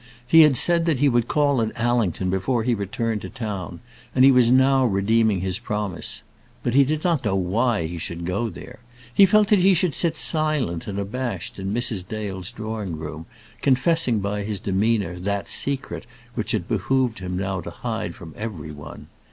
He had said that he would call at Allington before he returned to town, and he was now redeeming his promise. But he did not know why he should go there. He felt that he should sit silent and abashed in Mrs. Dale's drawing room, confessing by his demeanour that secret which it behoved him now to hide from every one.